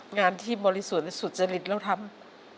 งานที่บริสุทธิ์และสุจริตเราทำ